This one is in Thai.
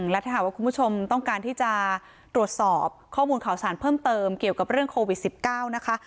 และถ้าหากว่าคุณผู้ชมต้องการที่จะตรวจสอบข้อมูลข่าวสารเพิ่มเติมเกี่ยวกับเรื่องโควิด๑๙นะคะ